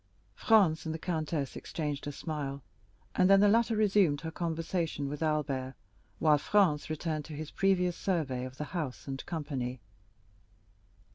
Franz and the countess exchanged a smile, and then the latter resumed her conversation with Albert, while Franz returned to his previous survey of the house and company.